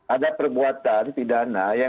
ada perbuatan pidana yang berkaitan dengan kesehatan